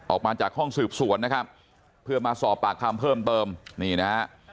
ออกมาจากห้องสืบสวนนะครับเพื่อมาสอบปากคำเพิ่มเติมนี่นะฮะ